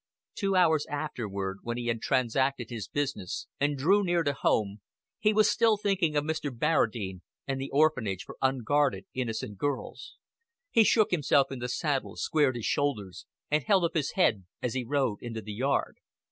Two hours afterward, when he had transacted his business and drew near to home, he was still thinking of Mr. Barradine and the Orphanage for unguarded innocent girls. He shook himself in the saddle, squared his shoulders, and held up his head as he rode into the yard.